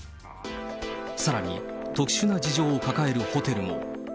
さらに、特殊な事情を抱えるホテルも。